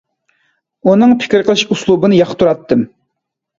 ئۇنىڭ پىكىر قىلىش ئۇسلۇبىنى ياقتۇراتتىم.